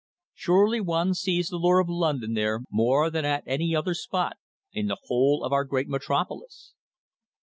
Surely one sees the lure of London there more than at any other spot in the whole of our great metropolis.